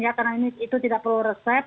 ya karena itu tidak perlu resep